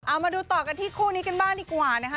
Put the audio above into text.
เอามาดูต่อกันที่คู่นี้กันบ้างดีกว่านะคะ